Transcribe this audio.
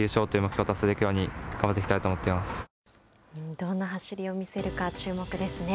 どんな走りを見せるか注目ですね。